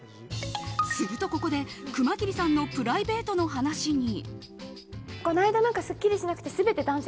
するとここで熊切さんのプライベートの話に。